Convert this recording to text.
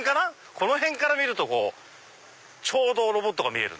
この辺から見るとちょうどロボットが見える。